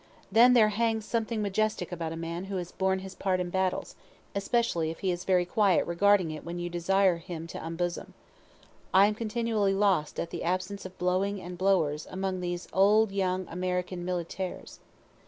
Then there hangs something majestic about a man who has borne his part in battles, especially if he is very quiet regarding it when you desire him to unbosom. I am continually lost at the absence of blowing and blowers among these old young American militaires.